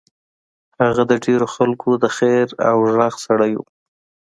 هغه د ډېرو خلکو د خېر او غږ سړی و.